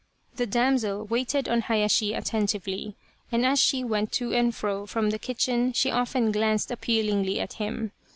The damsel waited on Hayashi attentively, and as she went to and fro from the kitchen she often glanced appealingly at him.